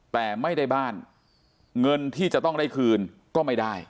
แต่ไม่ได้บ้านเงินที่จะต้องได้คืนก็ไม่ได้